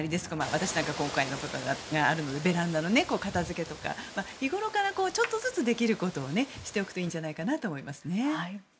私なんかは今回のことがあるのでベランダの片付けとか日頃からちょっとずつできることをしておくといいんじゃないかなと思いますね。